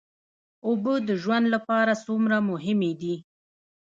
اوبه د ژوند لپاره څومره مهمې دي